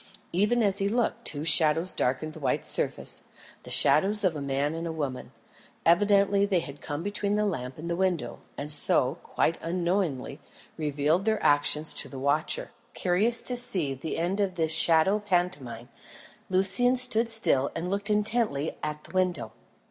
Even as he looked, two shadows darkened the white surface the shadows of a man and a woman. Evidently they had come between the lamp and the window, and so, quite unknowingly, revealed their actions to the watcher. Curious to see the end of this shadow pantomime, Lucian stood still and looked intently at the window.